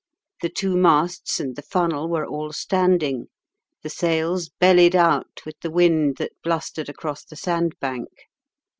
The two masts and the funnel were all standing, the sails bellied out with the wind that blustered across the sandbank.